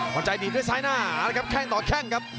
ขวัญใจดีด้วยซ้ายหน้าแค่งต่อแค่งครับ